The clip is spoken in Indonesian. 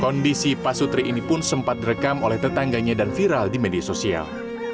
kondisi pasutri ini pun sempat direkam oleh tetangganya dan viral di media sosial